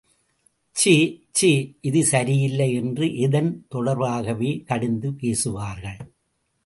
ச்சே ச்சே இது சரியில்லை என்று எதன் தொடர்பாகவோ கடிந்து பேசுவார்கள்.